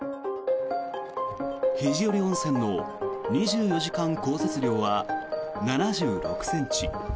肘折温泉の２４時間降雪量は７６ｃｍ。